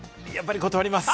断ります。